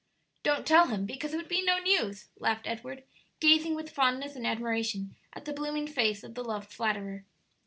"Don't tell him, because it would be no news," laughed Edward, gazing with fondness and admiration at the blooming face of the loved flatterer.